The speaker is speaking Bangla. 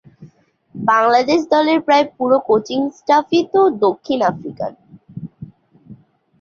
বাংলাদেশ দলের প্রায় পুরো কোচিং স্টাফই তো দক্ষিণ আফ্রিকান।